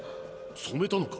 染めたのか？